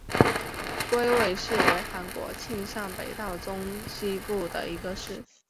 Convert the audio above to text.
龟尾市为韩国庆尚北道中西部的一个市。